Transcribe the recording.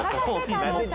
太郎さん。